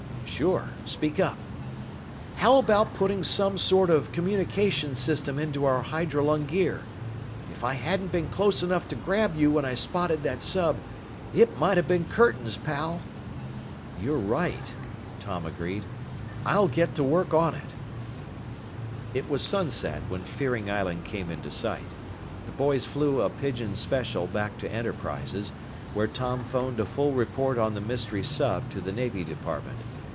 "Sure. Speak up." "How about putting some sort of communications system into our hydrolung gear? If I hadn't been close enough to grab you when I spotted that sub, it might have been curtains, pal!" "You're right," Tom agreed. "I'll get to work on it." It was sunset when Fearing Island came into sight. The boys flew a Pigeon Special back to Enterprises, where Tom phoned a full report on the mystery sub to the Navy Department.